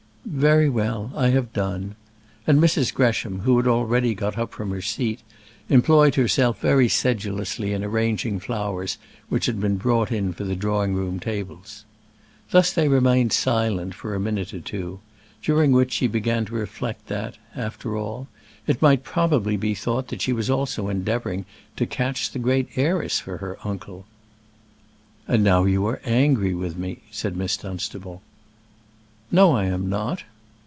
"Very well; I have done." And Mrs. Gresham, who had already got up from her seat, employed herself very sedulously in arranging flowers which had been brought in for the drawing room tables. Thus they remained silent for a minute or two, during which she began to reflect that, after all, it might probably be thought that she also was endeavouring to catch the great heiress for her uncle. "And now you are angry with me," said Miss Dunstable. "No, I am not."